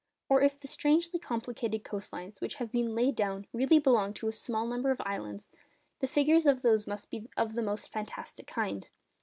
Or, if the strangely complicated coastlines which have been laid down really belong to but a small number of islands, the figures of those must be of the most fantastic kind.